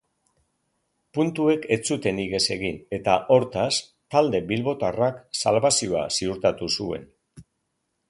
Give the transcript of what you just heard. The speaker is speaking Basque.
Puntuek ez zuten ihes egin eta hortaz, talde bilbotarrak salbazioa ziurtatu zuen.